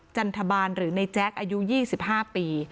จันทบาลหรือในแจ๊คอายุ๒๕ปี